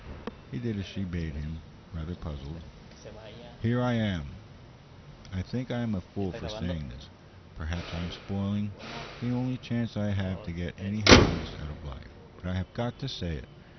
He did as she bade him, rather puzzled. "Here I am." "I think I am a fool for saying this. Perhaps I am spoiling the only chance I have to get any happiness out of life. But I have got to say it.